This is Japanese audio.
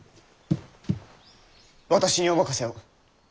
私にお任せを。